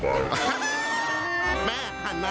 ตอนนี้ล่ะเอาละ